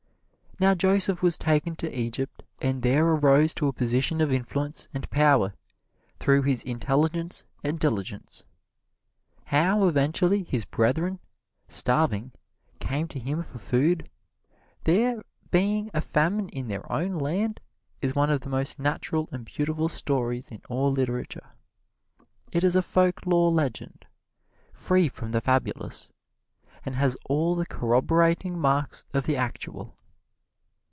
Now Joseph was taken to Egypt and there arose to a position of influence and power through his intelligence and diligence. How eventually his brethren, starving, came to him for food, there being a famine in their own land, is one of the most natural and beautiful stories in all literature. It is a folklore legend, free from the fabulous, and has all the corroborating marks of the actual.